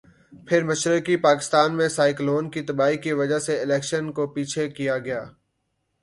پھر مشرقی پاکستان میں سائیکلون کی تباہی کی وجہ سے الیکشن کو پیچھے کیا گیا۔